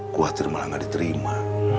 kuatir malah gak diterima